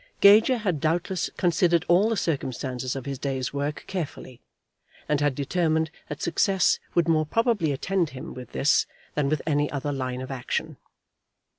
Gager had doubtless considered all the circumstances of his day's work carefully, and had determined that success would more probably attend him with this than with any other line of action.